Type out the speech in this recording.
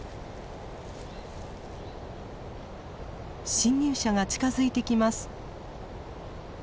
侵入者が近づいてきます。